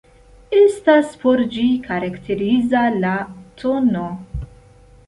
Estas por ĝi karakteriza la tn.